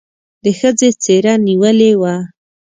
د ښځې څېره نېولې وه.